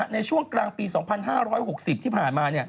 ในช่วงกลางปี๒๕๖๐ที่ผ่านมา